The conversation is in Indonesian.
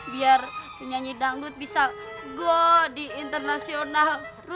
biar penyanyi dangdut bisa go di internasional